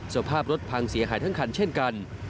สภาพรถพังเสียหายทั้งคันเช่นกัน